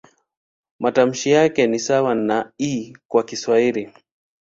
Matamshi yake ni sawa na "i" kwa Kiswahili.